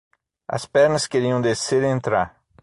As pernas queriam descer e entrar.